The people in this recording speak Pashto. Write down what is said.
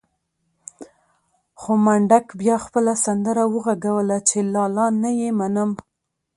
خو منډک بيا خپله سندره وغږوله چې لالا نه يې منم.